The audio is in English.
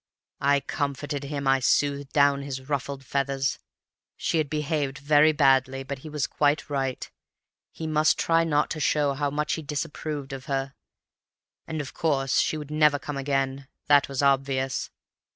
"I comforted him, I smoothed down his ruffled feathers. She had behaved very badly, but he was quite right; he must try not to show how much he disapproved of her. And of course she would never come again—that was obvious.